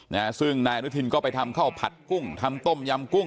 นะฮะซึ่งนายอนุทินก็ไปทำข้าวผัดกุ้งทำต้มยำกุ้ง